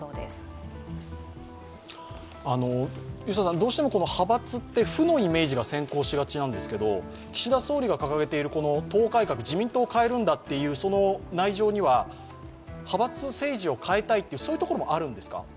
どうしても派閥って負のイメージが先行しがちなんですけど、岸田総理が掲げている党改革、自民党を変えるんだという内情には、派閥政治を変えたいというところもあるんですか？